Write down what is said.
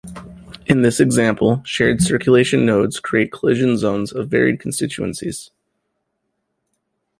In this example, shared circulation nodes create collision zones of varied constituencies.